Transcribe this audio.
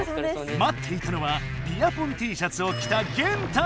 待っていたのはビアポンＴシャツをきたゲンタ。